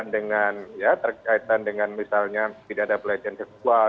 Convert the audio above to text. dengan ya terkaitan dengan misalnya tidak ada pelecehan seksual